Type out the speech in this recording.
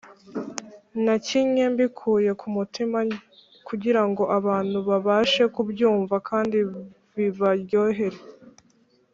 nakinnye mbikuye ku mutima kugira ngo abantu babashe kubyumva kandi bibaryohere